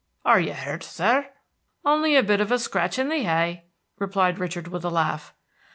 "Are you hurt, sir?" "Only a bit of a scratch of the heye," replied Richard, with a laugh.